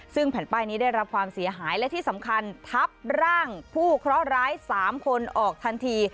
ซึ่งแผ่นป้ายนี้ได้รับความเสียหายและที่สำคัญทับร่างผู้เคราะห์ร้าย๓คนออกทันที